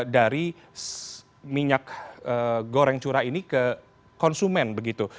dari minyak goreng curah ini ke konsumen begitu